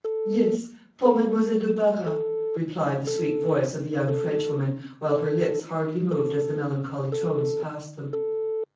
"Yes, poor Mademoiselle de Barras," replied the sweet voice of the young Frenchwoman, while her lips hardly moved as the melancholy tones passed them.